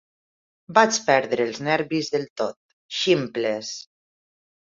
Vaig perdre els nervis del tot. Ximples!